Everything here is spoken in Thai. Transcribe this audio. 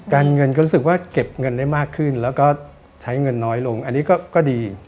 เงินก็รู้สึกว่าเก็บเงินได้มากขึ้นแล้วก็ใช้เงินน้อยลงอันนี้ก็ดี